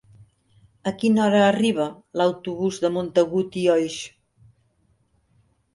A quina hora arriba l'autobús de Montagut i Oix?